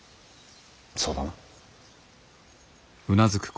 そうだな。